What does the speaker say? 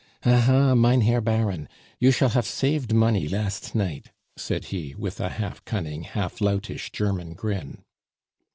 "Ah, ha! mein Herr Baron, you shall hafe saved money last night!" said he, with a half cunning, half loutish German grin.